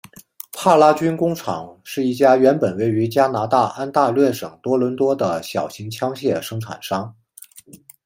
帕拉军工厂是一家原本位于加拿大安大略省多伦多的小型枪械生产商。